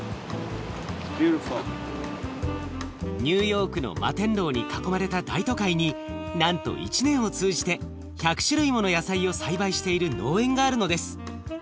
ニューヨークの摩天楼に囲まれた大都会になんと一年を通じて１００種類もの野菜を栽培している農園があるのです。